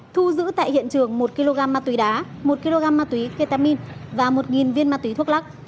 thu giữ tại hiện trường một kg ma túy đá một kg ma túy ketamin và một viên ma túy thuốc lắc